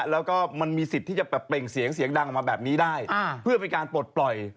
แล้วก็มันมีสิทธิ์ที่จะแบบเปล่งเสียงเสียงดังออกมาแบบนี้ได้เพื่อเป็นการปลดปล่อย